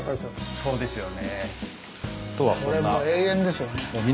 そうですね。